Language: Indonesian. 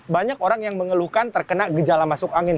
banyak orang yang mengeluhkan terkena gejala masuk angin